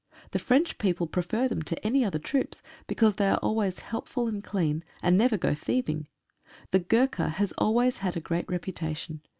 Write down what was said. The French people prefer them, to any other troops, because they are always helpful and clean, and never go thieving. The Gurkha has always had a great reputation.